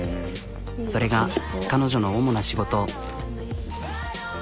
それが彼女の主な仕事。